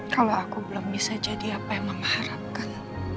kalau aku belum bisa jadi apa yang mama harapkan